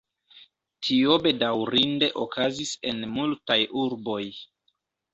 Tio bedaŭrinde okazis en multaj urboj.